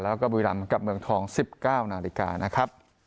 แล้วก็บุรีรำกับเมืองทอง๑๙นาฬิกานะครับ